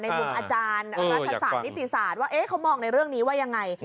มุมอาจารย์รัฐศาสตร์นิติศาสตร์ว่าเขามองในเรื่องนี้ว่ายังไง